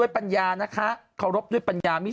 ไปไหนแล้วนะนี่